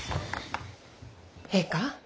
ええか？